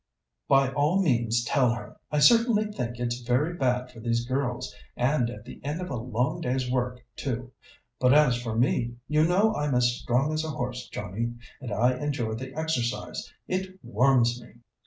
"By all means tell her. I certainly think it's very bad for these girls, and at the end of a long day's work, too. But as for me, you know I'm as strong as a horse, Johnnie, and I enjoy the exercise. It warms me!"